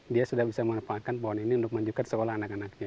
dia sudah bisa memanfaatkan pohon ini untuk maju ke sekolah anak anaknya